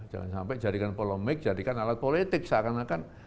jangan sampai jadikan polemik jadikan alat politik seakan akan